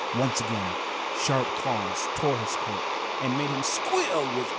Once again sharp claws tore his coat and made him squeal with pain.